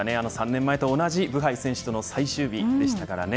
３年前と同じブハイ選手との最終日でした。